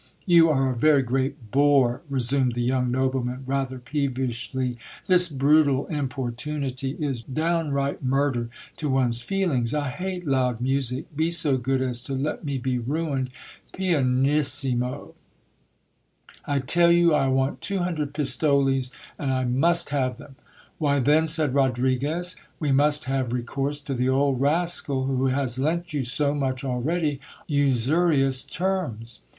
"You are a very great bore, resumed the young nobleman rather peevishly,"this brutal importunity is downright murder to one's feelings. I hate loud music, be so good as to let me be ruined pianissimo I tell you I want two hundred pistoles, and I must have them.' 'Why, then," said Rodriguez, 'we must have recourse to the old rascal who has lent you so much already on usurious terms'."